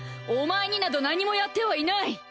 お前になど何もやってはいない！